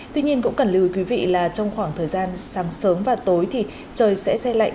tuy nhiên cũng cần lưu ý quý vị là trong khoảng thời gian sáng sớm và tối thì trời sẽ xe lạnh